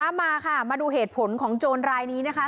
มาค่ะมาดูเหตุผลของโจรรายนี้นะคะ